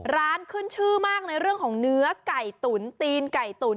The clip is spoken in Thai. ร้านขึ้นชื่อมากในเรื่องของเนื้อไก่ตุ๋นตีนไก่ตุ๋น